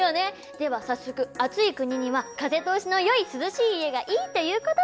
では早速暑い国には風通しのよい涼しい家がいいっていうことで。